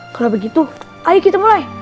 kalau begitu ayo kita mulai